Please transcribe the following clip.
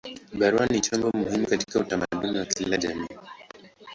Barua ni chombo muhimu katika utamaduni wa kila jamii.